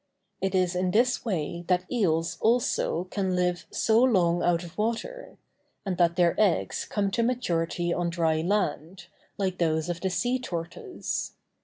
It is in this way that eels also can live so long out of water; and that their eggs come to maturity on dry land, like those of the sea tortoise.